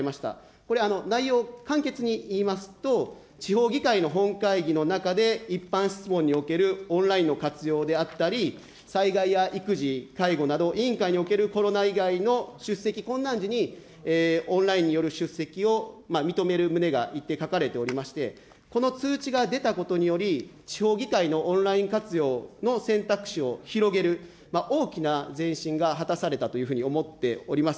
これ、内容、簡潔に言いますと、地方議会の本会議の中で一般質問におけるオンラインの活用であったり、災害や育児、介護など委員会におけるコロナ以外の出席困難時に、オンラインによる出席を認める旨が一定、書かれておりまして、この通知が出たことにより、地方議会のオンライン活用の選択肢を広げる、大きな前進が果たされたというふうに思っております。